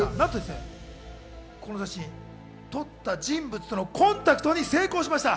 この写真撮った人物とのコンタクトに成功しました。